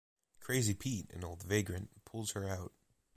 Crazy Pete, an old vagrant, pulls her out.